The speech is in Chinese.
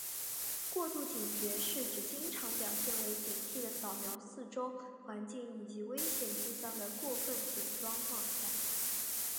过度警觉是指经常表现为警惕地扫视周围环境以寻找危险迹象的过分警觉状态。